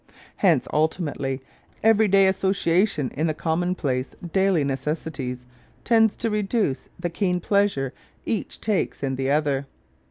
Hence, ultimately, everyday association in the commonplace daily necessities tends to reduce the keen pleasure each takes in the other.